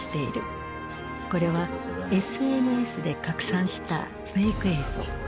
これはＳＮＳで拡散したフェイク映像。